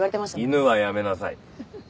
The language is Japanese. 「犬」はやめなさい。